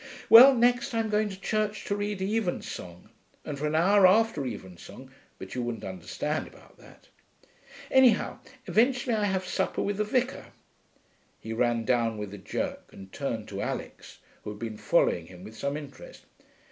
Well, next I'm going to church to read evensong, and for an hour after evensong but you wouldn't understand about that. Anyhow, eventually I have supper with the vicar.' He ran down with a jerk, and turned to Alix, who had been following him with some interest.